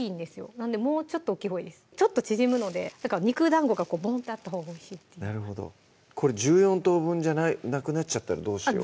なんでもうちょっと大きいほうがいいちょっと縮むので肉団子がボンってあったほうがおいしいなるほどこれ１４等分じゃなくなっちゃったらどうしよう